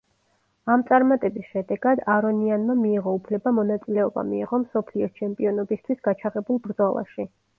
ამ წარმატების შედეგად, არონიანმა მიიღო უფლება მონაწილეობა მიეღო მსოფლიოს ჩემპიონობისთვის გაჩაღებულ ბრძოლაში.